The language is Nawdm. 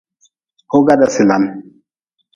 Hoga dasilan.